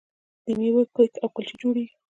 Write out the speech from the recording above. د میوو کیک او کلچې جوړیږي.